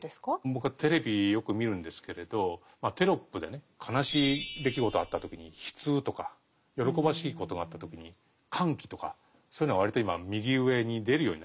僕はテレビよく見るんですけれどテロップでね悲しい出来事あった時に「悲痛」とか喜ばしいことがあった時に「歓喜」とかそういうのが割と今右上に出るようになりましたよね。